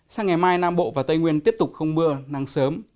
sáng ngày mai nam bộ và tây nguyên tiếp tục không mưa nắng sớm